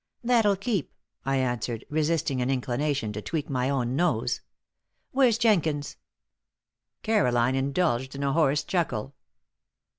"That'll keep," I answered, resisting an inclination to tweak my own nose. "Where's Jenkins?" Caroline indulged in a hoarse chuckle.